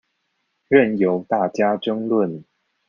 任由大家爭論